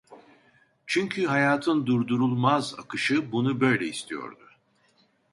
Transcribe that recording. Çünkü hayatın durdurulmaz akışı bunu böyle istiyordu.